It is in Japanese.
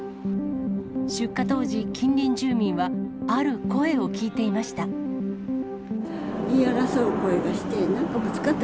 出火当時、近隣住民はある声を聞いていました。